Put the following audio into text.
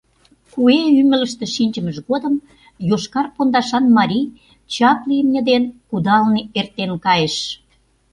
Куэ ӱмылыштӧ шинчымыж годым йошкар пондашан марий чапле имне дене кудалын эртен кайыш.